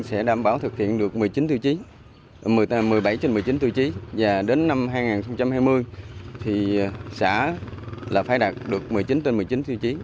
lực lượng vũ trang sẽ đảm bảo thực hiện được một mươi bảy trên một mươi chín tiêu chí và đến năm hai nghìn hai mươi thì xã phải đạt được một mươi chín trên một mươi chín tiêu chí